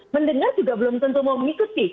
mendengar juga belum tentu mau mengikuti